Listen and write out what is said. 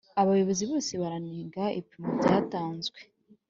Abayobozi bose baranenga ibipimo byatanzwe